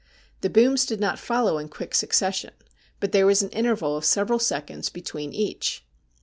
The booms did not follow in quick succession, but there was an interval of several seconds be tween each.